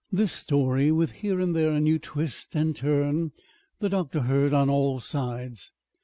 This story, with here and there a new twist and turn, the doctor heard on all sides.